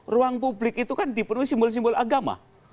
ruang publik itu kan dipenuhi simbol simbol agama